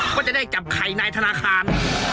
ก็จะได้จับไข่ในธนาคาร